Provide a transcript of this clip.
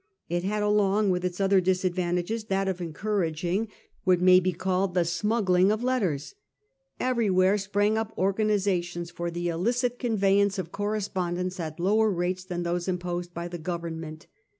It had along with its other disadvantages that of encouraging what 1839. THE UNDERGROUND POST. 91 may be called the smuggling of letters. Everywhere sprang up organisations for the illicit conveyance of correspondence at lower rates than those imposed by the Government.